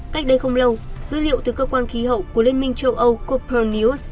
cách đây không lâu dữ liệu từ cơ quan khí hậu của liên minh châu âu copernicus